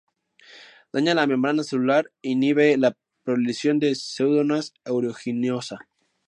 Daña la membrana celular e inhibe la proliferación de "Pseudomonas aeruginosa".